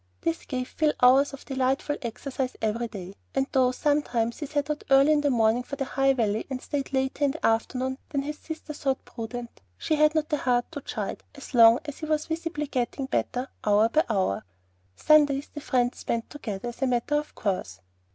This gave Phil hours of delightful exercise every day; and though sometimes he set out early in the morning for the High Valley, and stayed later in the afternoon than his sister thought prudent, she had not the heart to chide, so long as he was visibly getting better hour by hour. Sundays the friends spent together, as a matter of course.